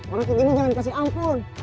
orang kecil ini jangan dikasih ampun